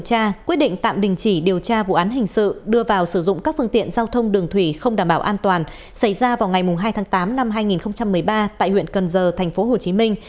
xin chào các bạn